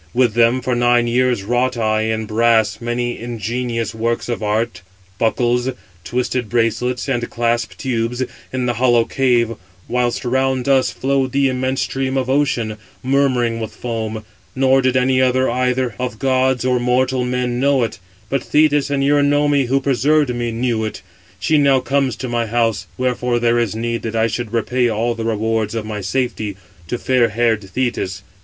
With them for nine years wrought I in brass many ingenious works of art, buckles, twisted bracelets, and clasp tubes, in the hollow cave; whilst round us flowed the immense stream of Ocean, murmuring with foam: nor did any other either of gods or mortal men know it; but Thetis and Eurynome, who preserved me, knew it. She now comes to my house; wherefore there is need that I should repay all the rewards of my safety to fair haired Thetis.